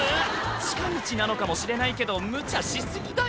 近道なのかもしれないけどむちゃし過ぎだよ